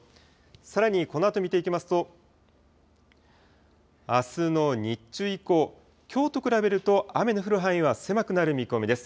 さらにこのあと見ていきますとあすの日中以降、きょうと比べると雨の降る範囲は狭くなる見込みです。